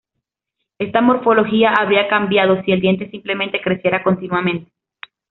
Esta morfología habría cambiado si el diente simplemente creciera continuamente.